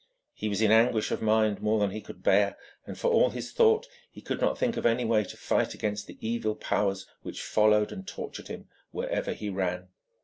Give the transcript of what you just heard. He was in anguish of mind more than he could bear, and for all his thought he could not think of any way to fight against the evil powers which followed and tortured him wherever he ran.